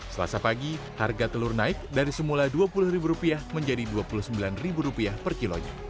selasa pagi harga telur naik dari semula dua puluh ribu rupiah menjadi dua puluh sembilan ribu rupiah per kilonya